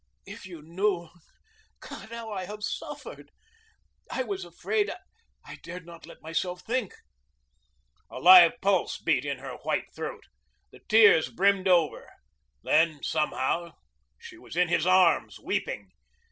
"If you knew God, how I have suffered! I was afraid I dared not let myself think." A live pulse beat in her white throat. The tears brimmed over. Then, somehow, she was in his arms weeping.